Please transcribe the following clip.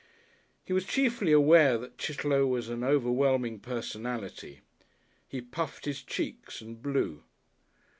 He was chiefly aware that Chitterlow was an overwhelming personality. He puffed his cheeks and blew.